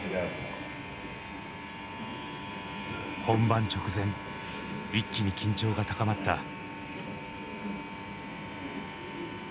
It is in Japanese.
本番直前一気に緊張が高まった。